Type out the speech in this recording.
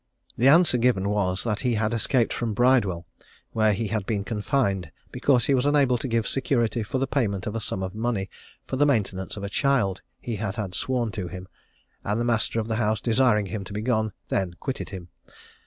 The answer given was, that he had escaped from Bridewell, where he had been confined because he was unable to give security for the payment of a sum of money for the maintenance of a child he had had sworn to him, and the master of the house desiring him to be gone, then quitted him.